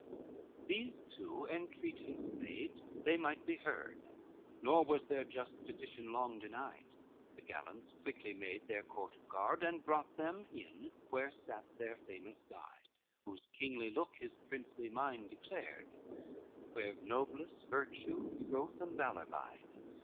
LX These two entreatance made they might be heard, Nor was their just petition long denied; The gallants quickly made their court of guard, And brought them in where sate their famous guide, Whose kingly look his princely mind declared, Where noblesse, virtue, troth, and valor bide.